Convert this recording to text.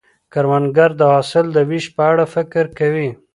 کروندګر د حاصل د ویش په اړه فکر کوي